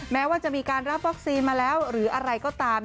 แม้ว่าจะมีการรับวัคซีนมาแล้วหรืออะไรก็ตาม